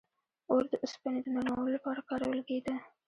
• اور د اوسپنې د نرمولو لپاره کارول کېده.